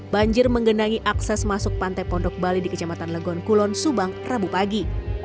banjir menggenangi akses masuk pantai pondok bali di kecamatan legon kulon subang rabu pagi